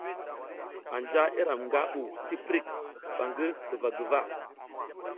Anja iram nga bu tiprik ba ngi huva guva.